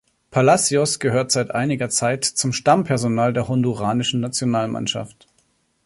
Palacios gehört seit einiger Zeit zum Stammpersonal der honduranischen Nationalmannschaft.